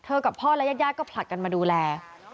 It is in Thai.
เธอกับพ่อและยัดก็ผลัดกันมาดูแล